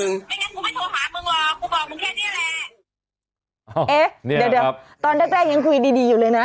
เนี้ยเดี๋ยวนะครับตอนแรกแรกยังคุยดีดีอยู่เลยนะ